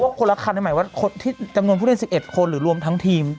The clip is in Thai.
อยากทราบว่าคนละครได้หมายว่าที่จำหน่วมพูดถึง๑๑คนหรือทั้งทีม